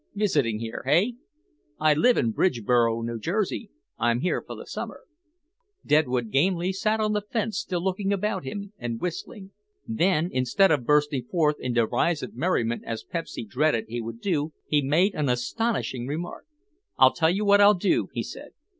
"Visiting here, hey?" "I live in Bridgeboro, New Jersey; I'm here for the summer." Deadwood Gamely sat on the fence still looking about him and whistling. Then, instead of bursting forth in derisive merriment as Pepsy dreaded he would do, he made an astonishing remark. "I tell you what I'll do," he said.